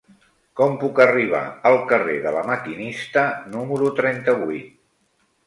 Com puc arribar al carrer de La Maquinista número trenta-vuit?